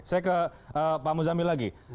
saya ke pak muzamil lagi